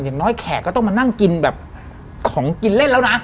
อย่างน้อยแขกก็ต้องมานั่งกินแบบของกินเล่นแล้วนะ